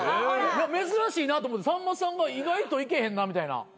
珍しいなと思ってさんまさんが意外といけへんなみたいな。